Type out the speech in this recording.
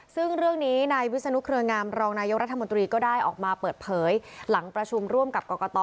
ซึ่งเรื่องนี้นายวิศนุเครืองามรองนายกรัฐมนตรีก็ได้ออกมาเปิดเผยหลังประชุมร่วมกับกรกต